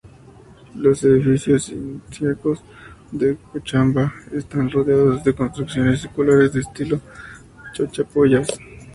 Los edificios incaicos de Cochabamba están rodeados de construcciones circulares de estilo chachapoyas.